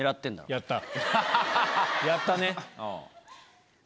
やったわ。